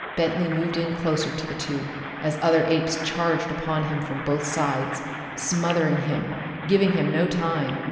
Bentley moved in closer to the two, as other apes charged upon him from both sides, smothering him, giving him no time.